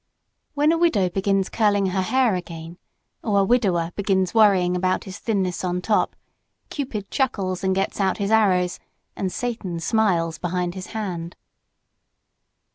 When a widow begins curling her hair, again, or a widower begins worrying about his thinness on top, Cupid chuckles and gets out his arrows and Satan smiles behind his hand.